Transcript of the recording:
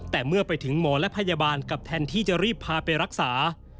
แต่เมื่อไปถึงหมอและพยาบาลกับแทนที่จะรีบพาไปรักษา